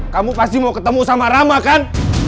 kamu pasti mau ketemu sama rama kan